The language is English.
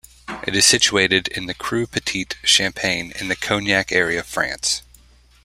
It is situated in the cru Petite Champagne in the cognac area, France.